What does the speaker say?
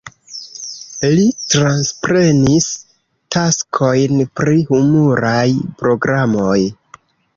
Li transprenis taskojn pri humuraj programoj.